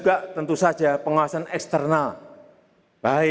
karena tidak dua ribu dua puluh apa apa kalau saya k yeshua wattsaja